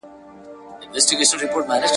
دا خطر به قبلوي چي محوه کیږي `